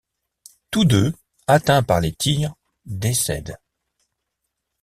Tous deux, atteints par les tirs, décèdent.